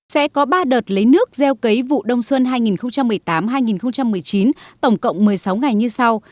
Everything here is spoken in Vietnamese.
sẽ có ba đợt lấy nước gieo cấy vụ đông xuân hai nghìn một mươi tám hai nghìn một mươi chín tổng cộng một mươi sáu ngày như sau